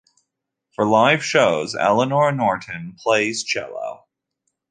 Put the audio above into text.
For live shows, Eleanor Norton plays cello.